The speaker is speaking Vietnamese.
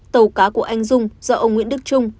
tàu cá của anh dung do ông nguyễn đức trung